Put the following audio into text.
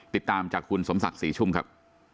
ติดตามจากคุณสมศักดิ์ศรีชุ่มครับ